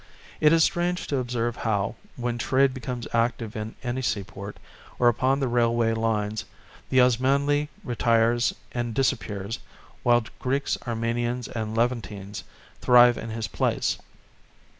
It is strange to observe how, when trade becomes active in any seaport, or upon the railway lines, the Osmanli retires and disappears, while Greeks, Armenians and Levantines thrive in his place.